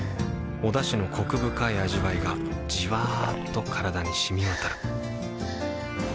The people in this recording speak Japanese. おだしのコク深い味わいがじわっと体に染み渡るはぁ。